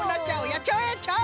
やっちゃおうやっちゃおう！